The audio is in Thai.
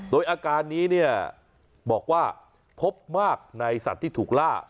โดยอาการนี้เนี่ยบอกว่าพบมากในสัตว์ที่ถูกล่า